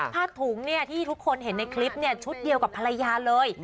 ผ้าถุงที่ทุกคนเห็นในคลิปชุดเดียวกับภรรยาเลย